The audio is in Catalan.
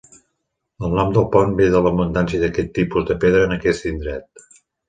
El nom del pont ve de l'abundància d'aquest tipus de pedra en aquest indret.